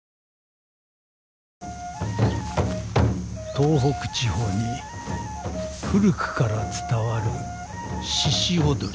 東北地方に古くから伝わるしし踊り。